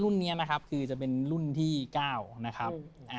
นี้นะครับคือจะเป็นรุ่นที่๙นะครับ